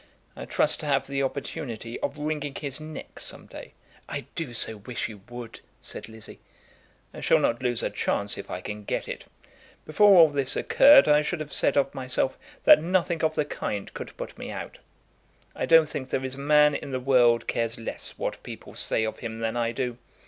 I trust to have the opportunity of wringing his neck some day." "I do so wish you would," said Lizzie. "I shall not lose a chance if I can get it. Before all this occurred I should have said of myself that nothing of the kind could put me out. I don't think there is a man in the world cares less what people say of him than I do.